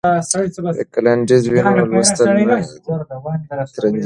که لنډیز وي نو لوستل نه درندیږي.